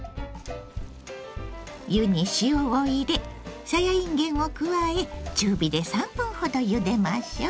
湯に塩を入れさやいんげんを加え中火で３分ほどゆでましょう。